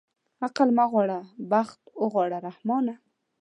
عقل مه غواړه بخت اوغواړه رحمانه.